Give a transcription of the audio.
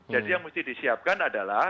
jadi yang mesti disiapkan adalah